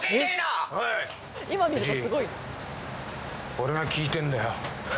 俺が聞いてんだよ。